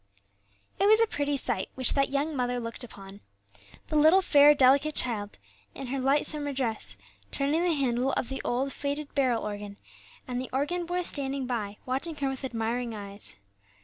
It was a pretty sight which that young mother looked upon. The little fair, delicate child, in her light summer dress, turning the handle of the old, faded barrel organ, and the organ boy standing by, watching her with admiring eyes.